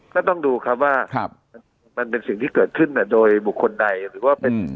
ก็ต้องดูครับว่ามันเป็นสิ่งที่เกิดขึ้นโดยบุคคลใดหรือว่าเป็น